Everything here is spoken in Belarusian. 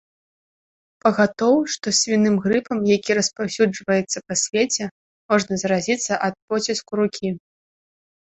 Пагатоў што свіным грыпам, які распаўсюджваецца па свеце, можна заразіцца ад поціску рукі.